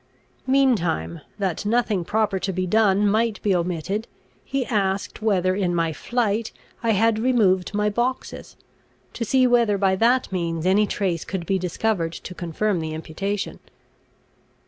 Meantime, that nothing proper to be done might be omitted, he asked whether in my flight I had removed my boxes, to see whether by that means any trace could be discovered to confirm the imputation.